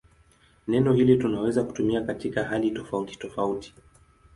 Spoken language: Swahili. Neno hili tunaweza kutumia katika hali tofautitofauti.